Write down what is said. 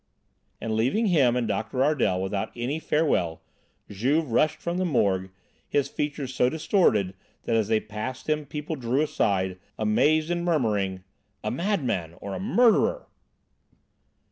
And leaving him and Doctor Ardel without any farewell Juve rushed from the Morgue, his features so distorted that as they passed him people drew aside, amazed and murmuring: "A madman or a murderer!"